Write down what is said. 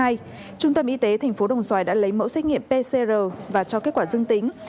trung tâm y tế tp đồng xoài đã lấy mẫu xét nghiệm pcr và cho kết quả dương tính